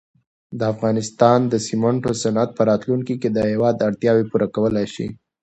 د افغانستان د سېمنټو صنعت په راتلونکي کې د هېواد اړتیاوې پوره کولای شي.